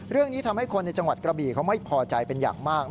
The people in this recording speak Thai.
เรื่องนี้ทำให้คนในจังหวัดกระบี่เขาไม่พอใจเป็นอย่างมาก